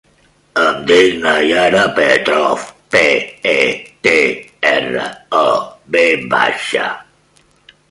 Em dic Naiara Petrov: pe, e, te, erra, o, ve baixa.